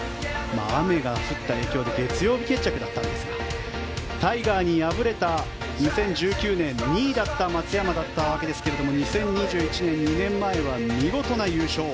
雨が降った影響で月曜日決着だったんですがタイガーに敗れた２０１９年の２位だった松山だったわけですが２０２１年、２年前は見事な優勝。